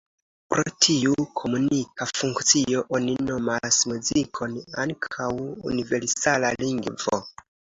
Pro tiu komunika funkcio oni nomas muzikon ankaŭ ""universala lingvo"".